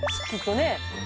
きっとね？